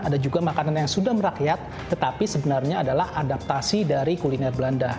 ada juga makanan yang sudah merakyat tetapi sebenarnya adalah adaptasi dari kuliner belanda